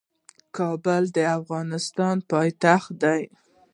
کابل د افغانستان پايتخت دي.